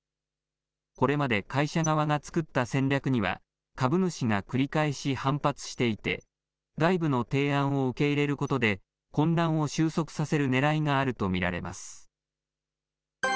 これまで会社側が作った戦略には、株主が繰り返し反発していて、外部の提案を受け入れることで、混乱を収束させるねらいがあると見られます。